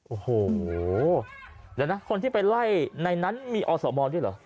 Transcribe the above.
โอ้โหเดี๋ยวนะคนที่ไปไล่ในนั้นมีอสมด้วยเหรอ